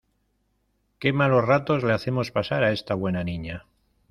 ¡Qué malos ratos le hacemos pasar a esta buena niña!